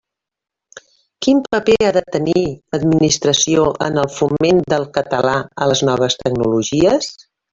Quin paper ha de tenir l'Administració en el foment del català a les noves tecnologies?